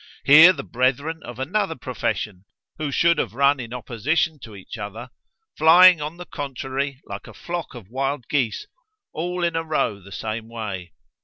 —Here the brethren of another profession, who should have run in opposition to each other, flying on the contrary like a flock of wild geese, all in a row the same way.